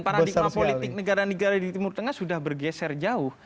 paradigma politik negara negara di timur tengah sudah bergeser jauh